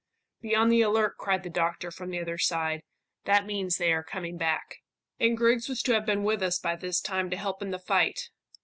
"Be on the alert," cried the doctor from the other side. "That means they are coming back." "And Griggs was to have been with us by this time to help in the fight.